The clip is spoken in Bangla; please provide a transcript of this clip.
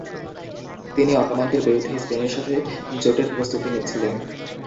তিনি অটোমানদের বিরুদ্ধে স্পেনের সাথে জোটের প্রস্তুতি নিচ্ছিলেন।